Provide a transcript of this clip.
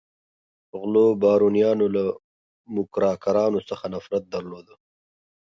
غلو بارونیانو له موکراکرانو څخه نفرت درلود.